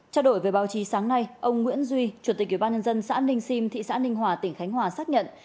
trao đổi với báo chí sáng nay ông nguyễn duy chủ tịch ủy ban nhân dân xã ninh sim thị xã ninh hòa tỉnh khánh hòa xác nhận